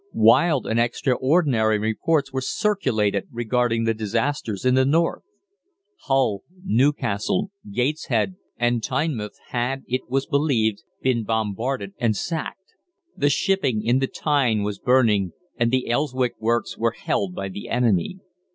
Wild and extraordinary reports were circulated regarding the disasters in the north. Hull, Newcastle, Gateshead, and Tynemouth had, it was believed, been bombarded and sacked. The shipping in the Tyne was burning, and the Elswick works were held by the enemy.